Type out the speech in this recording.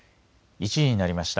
１時になりました。